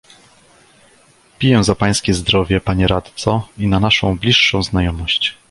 "Piję za pańskie zdrowie, panie radco i na naszą bliższą znajomość!"